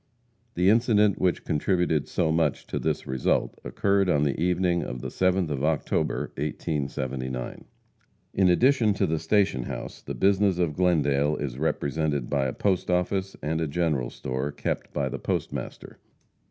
The incident which contributed so much to this result occurred on the evening of the 7th of October, 1879. In addition to the station house, the business of Glendale is represented by a post office and a general store, kept by the postmaster.